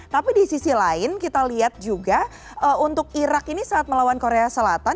tapi di sisi lain kita lihat juga untuk irak ini saat melawan korea selatan